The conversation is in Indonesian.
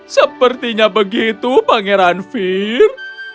sepertinya begitu pangeran fir